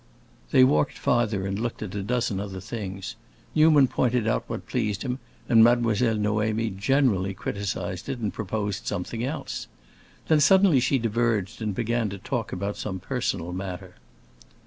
They walked farther and looked at a dozen other things. Newman pointed out what pleased him, and Mademoiselle Noémie generally criticised it, and proposed something else. Then suddenly she diverged and began to talk about some personal matter.